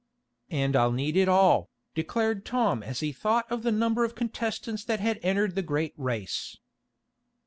"And I'll need it all," declared Tom as he thought of the number of contestants that had entered the great race.